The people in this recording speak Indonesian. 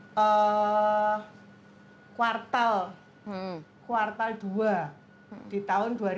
apakah mereka sedang bekerja untuk melakukan exchange